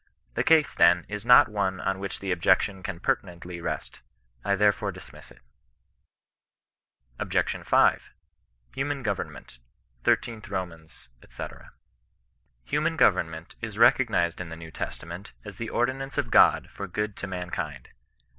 The case then is not one on which the objection can pertinently rest. I therefore dismiss it OBJ. V. — HUMAN GOVERNMENT — 13tH ROMANS, &C Human government is recognized in the New Testa ment as the ordinance of God for good to mankind.